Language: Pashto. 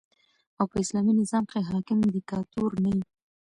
او په اسلامي نظام کښي حاکم دیکتاتور نه يي.